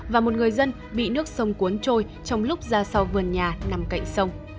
và một người dân bị nước sông cuốn trôi trong lúc ra sau vườn nhà nằm cạnh sông